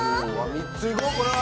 ３ついこうこれは！